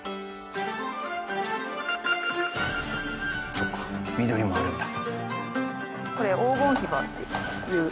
そっか緑もあるんだ。